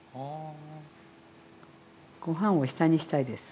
ご飯を下にしたいです。